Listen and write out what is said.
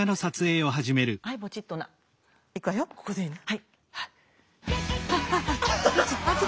ここでいいの？